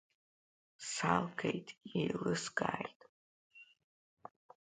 Салгеит еилыскааит.